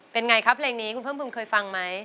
เป็นไงครับเพลงนี้คุณเพิ่มภูมิเคยฟังไหม